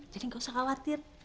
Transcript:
jadi nggak usah khawatir